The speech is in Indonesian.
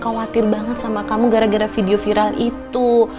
khawatir banget sama kamu gara gara video viral itu